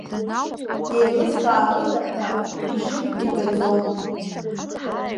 Иеилыскаарыда ҳәа бжьыкгьы гаӡом.